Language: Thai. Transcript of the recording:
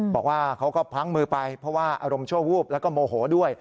บอกว่าเขาก็พลั้งมือไปเพราะว่าอารมณ์ชั่ววูบแล้วก็โมโหด้วย